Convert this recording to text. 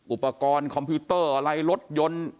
อุปกรณ์คอมพิวเตอร์อะไรรถยนต์